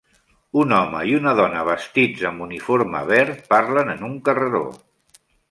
Un home i una dona vestits amb uniforme verd parlen en un carreró.